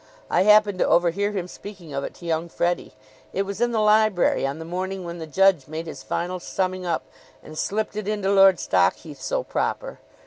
"I happened to overhear him speaking of it to young Freddie. It was in the library on the morning when the judge made his final summing up and slipped it into Lord Stockheath so proper.